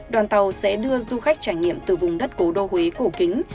đoàn tàu sẽ đưa du khách trải nghiệm từ vùng đất cố đô huế cổ kính